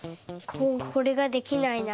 これができないな。